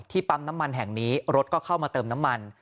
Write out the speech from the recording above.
ปั๊มน้ำมันแห่งนี้รถก็เข้ามาเติมน้ำมัน